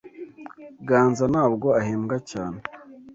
Ganza ntabwo ahembwa cyane.